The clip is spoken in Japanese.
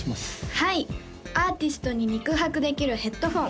はい「アーティストに肉薄できるヘッドフォン」